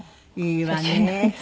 いいわね。